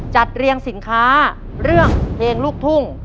จัดเรียงสินค้าเรื่องเพลงลูกทุ่ง